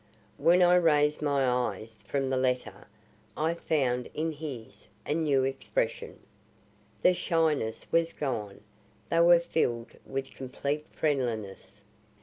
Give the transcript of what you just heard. When I raised my eyes from the letter I found in his a new expression. The shyness was gone; they were filled with complete friendliness.